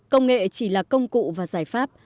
công nghệ chỉ là công cụ và giải pháp